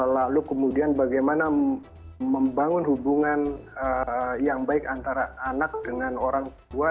lalu kemudian bagaimana membangun hubungan yang baik antara anak dengan orang tua